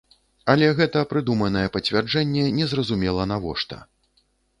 Але гэтае прыдуманае пацвярджэнне незразумела, навошта.